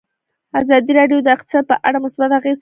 ازادي راډیو د اقتصاد په اړه مثبت اغېزې تشریح کړي.